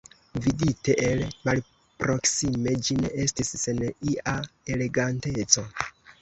Vidite el malproksime, ĝi ne estis sen ia eleganteco.